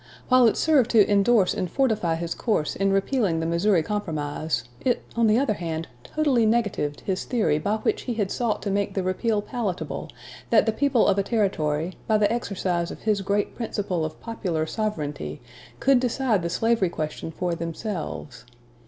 While it served to indorse and fortify his course in repealing the Missouri Compromise, it, on the other hand, totally negatived his theory by which he had sought to make the repeal palatable, that the people of a Territory, by the exercise of his great principle of popular sovereignty, could decide the slavery question for themselves.